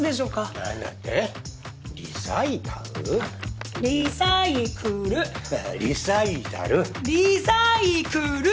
リサイタル。